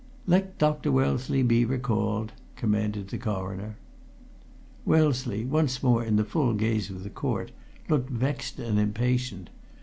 "Let Dr. Wellesley be recalled," commanded the Coroner. Wellesley, once more in the full gaze of the court, looked vexed and impatient.